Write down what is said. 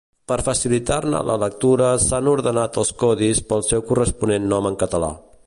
Per facilitar-ne la lectura s'han ordenat els codis pel seu corresponent nom en català.